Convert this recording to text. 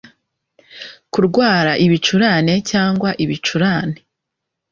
kurwara ibicurane cyangwa ibicurane